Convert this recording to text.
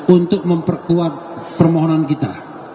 untuk memperkuat permohonan kita